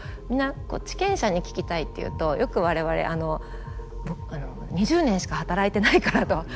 皆知見者に聞きたいっていうとよく我々２０年しか働いてないからと。